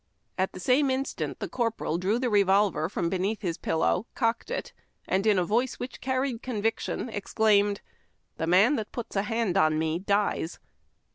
At the same instant the corporal drew the revolver from beneath his pillow, cocked it, and, in a voice which carried convic tion, exclaimed, '' Tlte man that puts a lia^ui on me dies!'''